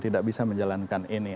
tidak bisa menjalankan ini